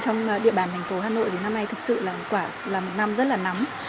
trong địa bàn thành phố hà nội thì năm nay thực sự là một năm rất là nắm